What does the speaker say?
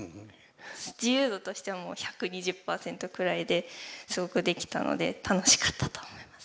自由度としてはもう１２０％くらいですごくできたので楽しかったと思います。